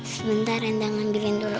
sebentar rendang ambilin dulu